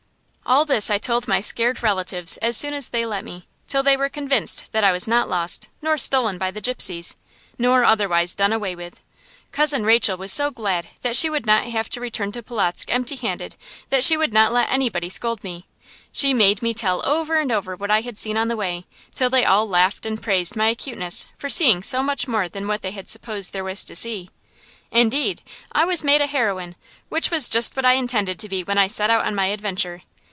All this I told my scared relatives as soon as they let me, till they were convinced that I was not lost, nor stolen by the gypsies, nor otherwise done away with. Cousin Rachel was so glad that she would not have to return to Polotzk empty handed that she would not let anybody scold me. She made me tell over and over what I had seen on the way, till they all laughed and praised my acuteness for seeing so much more than they had supposed there was to see. Indeed, I was made a heroine, which was just what I intended to be when I set out on my adventure.